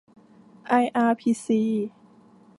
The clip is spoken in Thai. ไออาร์พีซี